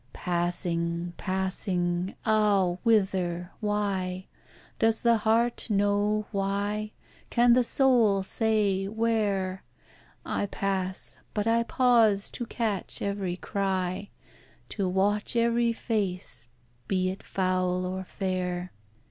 Passing, passing ah! whither? Why? Does the heart know why? Can the soul say where? I pass, but I pause to catch ev'ry cry, To watch ev'ry face, be it foul or fair.